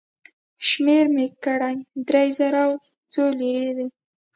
شمېر مې کړې، درې زره او څو لېرې وې.